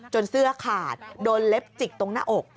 เสื้อขาดโดนเล็บจิกตรงหน้าอก